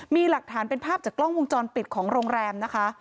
มีหลักฐานเป็นภาพจากกล้องวงจรปิดของโรงแรมนะคะ